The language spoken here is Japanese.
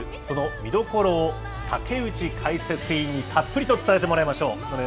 その見どころを竹内解説委員にたっぷりと伝えてもらいましょう。